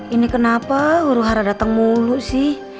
ini kenapa huru hara datang mulu sih